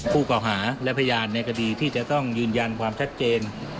เก่าหาและพยานในคดีที่จะต้องยืนยันความชัดเจน